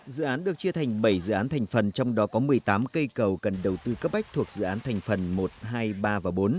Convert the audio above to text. dự án được chia thành bảy dự án thành phần trong đó có một mươi tám cây cầu cần đầu tư cấp bách thuộc dự án thành phần một trăm hai mươi ba và bốn